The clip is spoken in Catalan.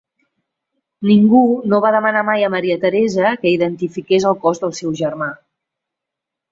Ningú no va demanar mai a Maria Teresa que identifiqués el cos del seu germà.